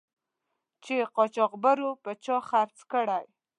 چې قاچاقبرو په چا خرڅ کړی.